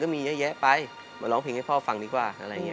มาร้องเพลงให้พ่อฟังดีกว่าอะไรอย่างนี้